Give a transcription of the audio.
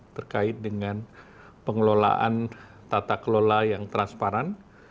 terkait dengan pengelolaan tata kelola yang transparan